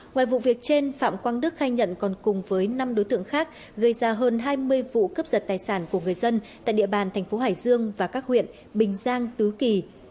ngoài vụ việc trên phạm quang đức khai nhận còn cùng với năm đối tượng khác gây ra hơn hai mươi vụ cấp giật tài sản của người dân tại địa bàn thành phố hải dương và các huyện bình giang tứ kỳ